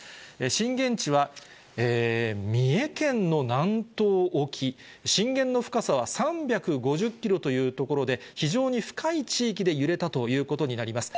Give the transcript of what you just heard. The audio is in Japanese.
震源地は三重県の南東沖、震源の深さは３５０キロという所で、非常に深い地域で揺れたということになります。